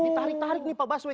ditarik tarik nih pak baswe